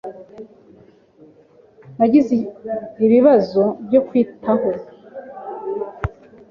Nagize ibibazo byo kwitaho.